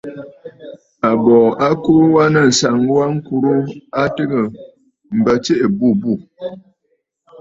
Àbòò a kuu wa nɨ̂ ànsaŋ wa ŋkurə a tɨgə̀ m̀bə tsiʼì àbûbû.